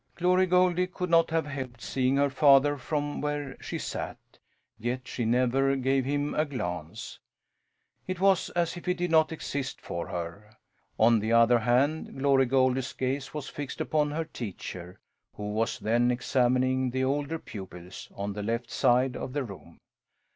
Glory Goldie could not have helped seeing her father from where she sat, yet she never gave him a glance. It was as if he did not exist for her. On the other hand, Glory Goldie's gaze was fixed upon her teacher, who was then examining the older pupils, on the left side of the room.